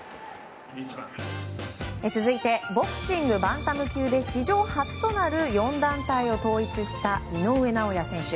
続いてボクシングバンタム級で史上初となる４団体を統一した井上尚弥選手。